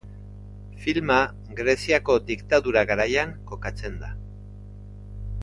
Filma Greziako Diktadura garaian kokatzen da.